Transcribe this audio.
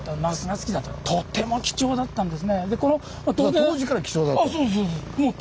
当時から貴重だった？